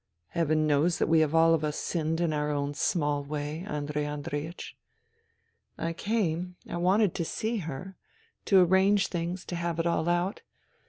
Heaven knows that we have all of us sinned in our own small way, Andrei Andreiech. I came. I wanted to see her, to arrange things, to have it all out.